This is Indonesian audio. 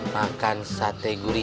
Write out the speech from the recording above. maka ada setelah timuki